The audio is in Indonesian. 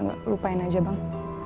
enggak enggak lupain aja bang